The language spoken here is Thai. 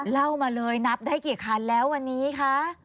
เล่ามาเลยนับได้กี่คันแล้ววันนี้คะ